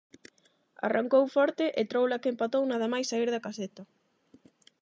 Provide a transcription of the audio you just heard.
Arrancou forte o troula que empatou nada máis saír da caseta.